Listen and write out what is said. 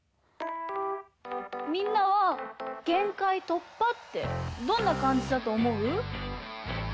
みんなは「限界突破」ってどんなかんじだとおもう？